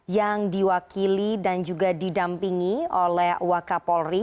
yang diwakili dan juga didampingi oleh waka polri